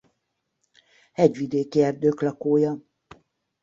Hegyvidéki erdők lakója.